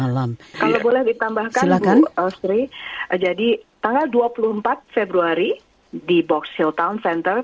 kalau boleh ditambahkan bu sri jadi tanggal dua puluh empat februari di box shield town center